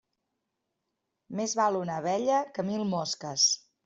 Més val una abella que mil mosques.